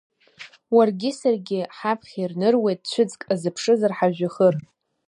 Уаргьы-саргьы ҳаԥхьа ирныруеит, цәыӡк азыԥшызар ҳажәҩахыр.